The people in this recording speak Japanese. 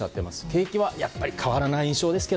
景気は変わらない印象です。